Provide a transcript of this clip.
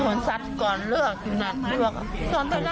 พอมาเห็นอีกทีนึงสัตว์กันปะ